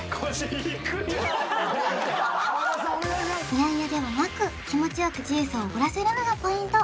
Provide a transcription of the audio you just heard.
嫌々ではなく気持ちよくジュースをおごらせるのがポイント